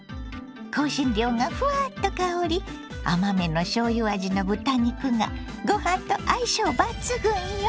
香辛料がフワッと香り甘めのしょうゆ味の豚肉がご飯と相性抜群よ！